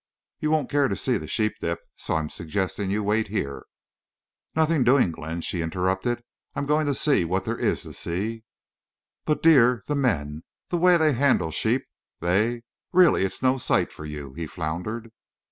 You won't care to see the sheep dip. So I'm suggesting you wait here—" "Nothing doing, Glenn," she interrupted. "I'm going to see what there is to see." "But, dear—the men—the way they handle sheep—they'll—really it's no sight for you," he floundered.